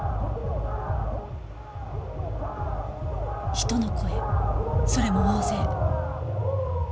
「」人の声それも大勢。